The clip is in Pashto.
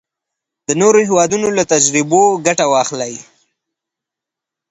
د نورو هیوادونو له تجربو ګټه واخلئ.